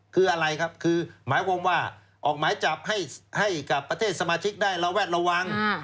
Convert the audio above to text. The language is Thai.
คืออะไรครับคือหมายความว่าออกหมายจับให้กับประเทศสมาชิกได้ระแวดระวัง